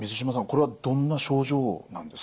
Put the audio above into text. これはどんな症状なんですか？